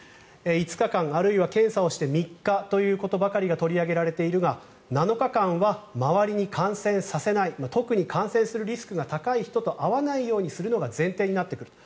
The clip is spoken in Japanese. ５日間あるいは検査をして３日ということばかりが取り上げられているが７日間は周りに感染させない特に感染するリスクが高い人と会わないようにするのが前提になってくる。